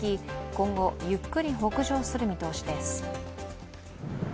今後、ゆっくり北上する見通しです。